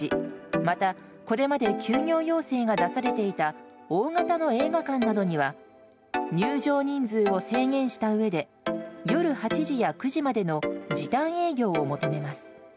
また、これまで休業要請が出されていた大型の映画館などには入場人数を制限したうえで夜８時や９時までの時短営業を求めます。